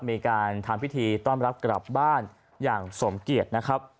มีการทำพิธีต้อนรับกลับบ้านอย่างสมเกียจนะครับ